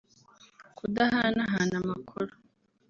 kudahana hana amakuru